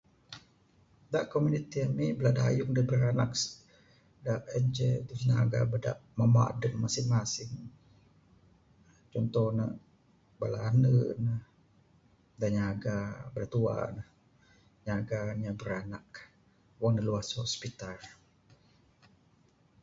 Da komuniti ami dayung da biranak siti da en ce jinaga da mamba adep masing masing cunto ne bala ande ne da nyaga da tuak ne nyaga inya branak wang ne luah su spitar.